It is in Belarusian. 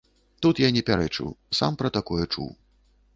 Тут я не пярэчыў, сам пра такое чуў.